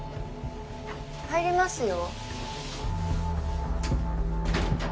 入りますよ